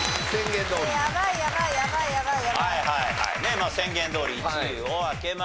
まあ宣言どおり１位を開けました。